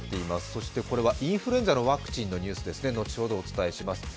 そしてインフルエンザのワクチンのニュースですね、のちほどお伝えします。